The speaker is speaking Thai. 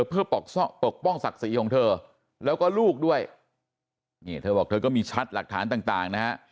เพื่อปกป้องศักดิ์ศรีของเธอแล้วก็ลูกด้วยนี่เธอบอกเธอก็มีแชทหลักฐานต่างนะฮะ